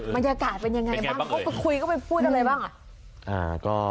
มันยากาศเป็นยังไงบ้างเขาก็คุยเข้าไปพูดอะไรบ้าง